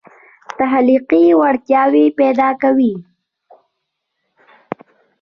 تخلیقي وړتیاوې پیدا کوي.